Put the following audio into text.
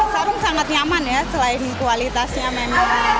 sarung sangat nyaman ya selain kualitasnya memang